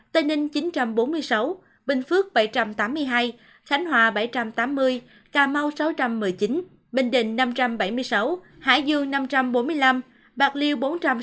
tây ninh chín trăm bốn mươi sáu bình phước bảy trăm tám mươi hai khánh hòa bảy trăm tám mươi cà mau sáu trăm một mươi chín bình định năm trăm bảy mươi sáu hải dương năm trăm bốn mươi năm bạc liêu bốn trăm sáu mươi bảy